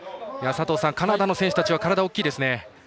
カナダの選手たちは体が大きいですね。